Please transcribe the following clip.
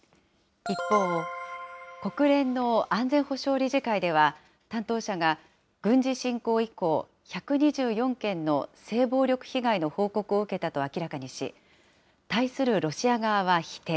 一方、国連の安全保障理事会では、担当者が、軍事侵攻以降、１２４件の性暴力被害の報告を受けたと明らかにし、対するロシア側は否定。